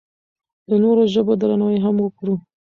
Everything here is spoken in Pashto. د نورو ژبو درناوی هم وکړو.